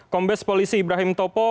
kombes polisi ibrahim topo